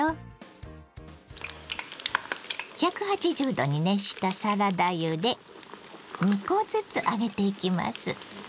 ℃に熱したサラダ油で２コずつ揚げていきます。